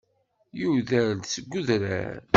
Yuder-d seg udrar.